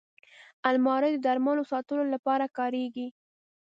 الماري د درملو ساتلو لپاره کارېږي